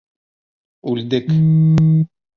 Үлдек!